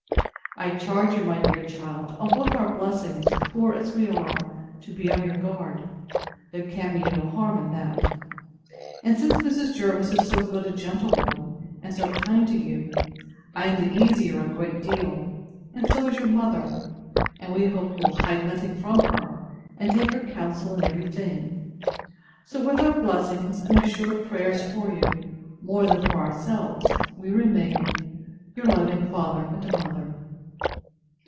I charge you, my dear child, on both our blessings, poor as we are, to be on your guard; there can be no harm in that. And since Mrs. Jervis is so good a gentlewoman, and so kind to you, I am the easier a great deal, and so is your mother; and we hope you will hide nothing from her, and take her counsel in every thing. So, with our blessings, and assured prayers for you, more than for ourselves, we remain, Your loving FATHER AND MOTHER.